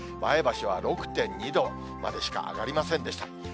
前橋は６．２度までしか上がりませんでした。